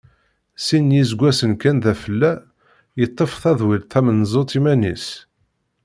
Sin n yiseggasen kan d afella yeṭṭef tadwilt tamenzut iman-is.